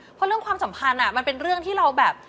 เพราะเรื่องความสัมพันธ์มันเป็นเรื่องที่เราแบบ